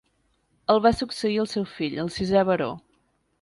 El va succeir el seu fill, el sisè baró.